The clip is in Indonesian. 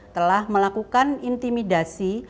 telah melakukan intimidasi